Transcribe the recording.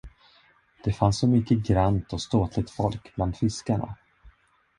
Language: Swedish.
Det fanns så mycket grant och ståtligt folk bland fiskarna.